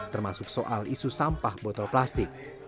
termasuk soal isu sampah botol plastik